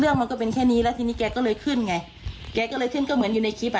เรื่องมันก็เป็นแค่นี้แล้วทีนี้แกก็เลยขึ้นไง